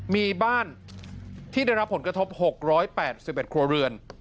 มีบ้านที่ได้รับผลกระทบ๖๘๑ครัวเรือน